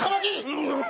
うん！